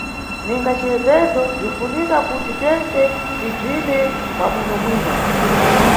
Ninga ciyezezo, bzinʼfunika kuti tentse tibvine mwa bwinobwino.